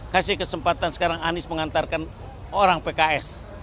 kasih kesempatan sekarang anies mengantarkan orang pks